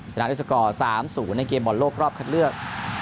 ชนะด้วยสกอร์๓๐ในเกมบอลโลกรอบคัดเลือก